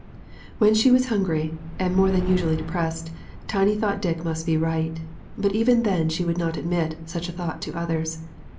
When she was very hungry, and more than usually depressed, Tiny thought Dick must be right, but even then she would not admit such a thought to others.